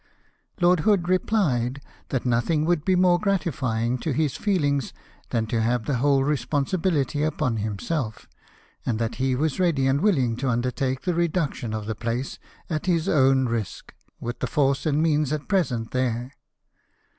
Lord Hood rephed that nothing would be more grati fying to his feelings than to have the whole responsi bihty upon himself; and that he was ready and willing to undertake the reduction of the place at his own risk, with the force and means at present there.